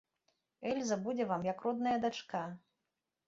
Эльза будзе вам як родная дачка.